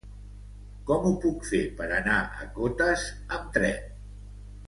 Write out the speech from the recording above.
Com ho puc fer per anar a Cotes amb tren?